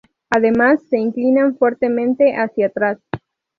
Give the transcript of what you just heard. Además, se inclinan fuertemente hacia atrás.